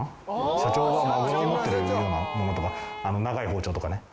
社長がマグロを持っているようなものとか長い包丁とかね。